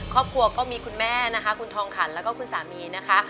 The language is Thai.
ครอบครัวก็มีคุณแม่นะคะคุณทองขันแล้วก็คุณสามีนะคะ